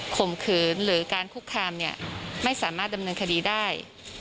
ข่มขืนหรือการคุกคามเนี่ยไม่สามารถดำเนินคดีได้